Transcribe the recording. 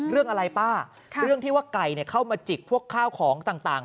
เรื่องอะไรป้าเรื่องที่ว่าไก่เข้ามาจิกพวกข้าวของต่าง